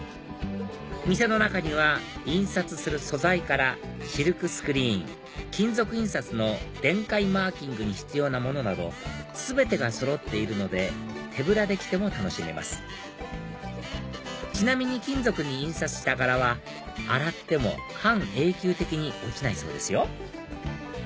店の中には印刷する素材からシルクスクリーン金属印刷の電解マーキングに必要なものなど全てがそろっているので手ぶらで来ても楽しめますちなみに金属に印刷した柄は洗っても半永久的に落ちないそうですよ